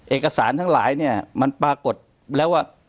เอกสารทั้งหลายเนี่ยมันปรากฏแล้วว่า